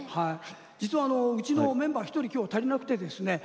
実はうちのメンバー１人今日足りなくてですね